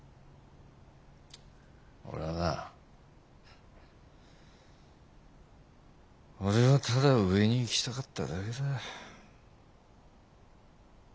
俺はな俺はただ上に行きたかっただけだ。